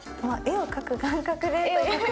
絵を描く感覚で。